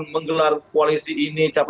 menggelar koalisi ini